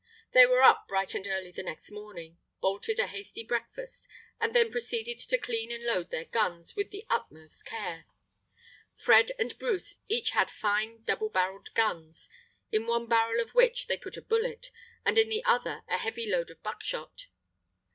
They were up bright and early the next morning, bolted a hasty breakfast, and then proceeded to clean and load their guns with the utmost care. Fred and Bruce each had fine double barrelled guns, in one barrel of which they put a bullet, and in the other a heavy load of buckshot.